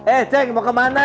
eh ceng mau ke mana